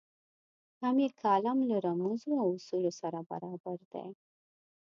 هم یې کالم له رموزو او اصولو سره برابر دی.